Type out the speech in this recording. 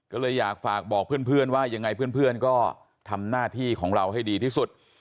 ก็เลยอยากฝากบอกเพื่อนว่ายังไงเพื่อนก็ทำหน้าที่ของเราให้ดีที่สุด